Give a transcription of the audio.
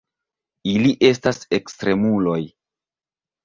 Ili estas ekstremuloj.